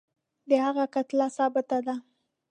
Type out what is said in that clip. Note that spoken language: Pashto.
د هغه کتله ثابته ده.